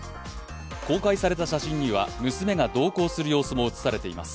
公開された写真には娘が同行する様子も映されています。